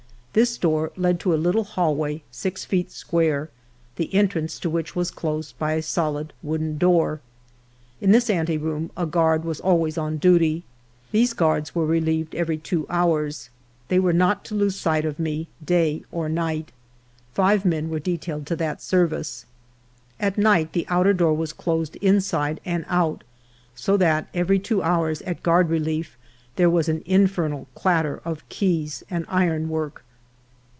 This door led to a little hallway six feet square, the entrance to w^hich was closed by a solid wooden door. In this ante room a guard was always on duty. These guards were relieved every two hours ; they' were not to lose sight of me day or night. Five men were detailed to that service. At night the outer door was closed inside and out, so that every two hours at guard relief there was an infernal clatter of keys and iron work.